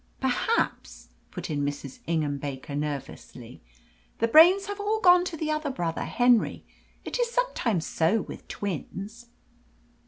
"Perhaps," put in Mrs. Ingham Baker nervously, "the brains have all gone to the other brother, Henry. It is sometimes so with twins."